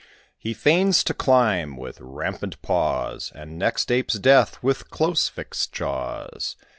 He feigns to climb, with rampant paws, And next apes death, with close fixed jaws.